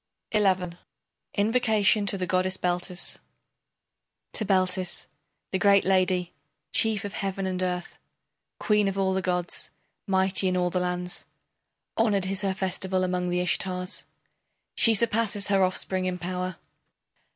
XI. INVOCATION TO THE GODDESS BELTIS To Beltis, the great Lady, chief of heaven and earth, Queen of all the gods, mighty in all the lands. Honored is her festival among the Ishtars. She surpasses her offspring in power.